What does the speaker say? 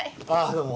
どうも。